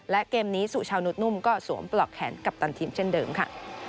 และเกมนี้สุชาวนุษนุ่มก็สวมปลอกแขนกัปตันทีมเช่นเดิมค่ะ